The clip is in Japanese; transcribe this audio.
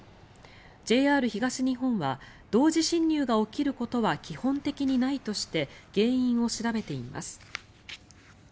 ＪＲ東日本は同時進入が起きることは基本的にないとして原因を調べています。